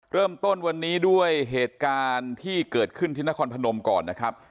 เริ่มต้นวันนี้ด้วยเหตุการณ์ที่เกิดขึ้นที่นครพนมก่อนนะครับ